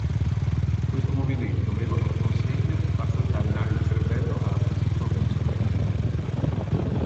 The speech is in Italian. Questo movimento aveva come consegna "far saltare in aria il cervello alla cultura ufficiale".